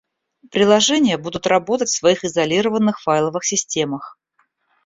Приложения будут работать в своих изолированных файловых системах